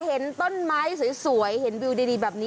เห็นต้นไม้สวยเห็นวิวดีแบบนี้